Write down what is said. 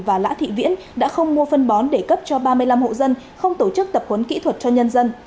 và lã thị viễn đã không mua phân bón để cấp cho ba mươi năm hộ dân không tổ chức tập huấn kỹ thuật cho nhân dân